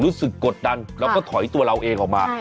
กดดันแล้วก็ถอยตัวเราเองออกมา